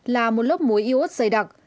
là một lớp muối yốt dày đặc